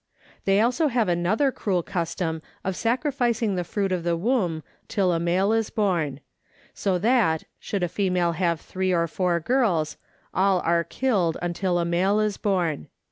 They also have another cruel custom of sacrificing the fruit of the womb till a male is born ; so that, should a female have three or four girls, all are killed until a male is born.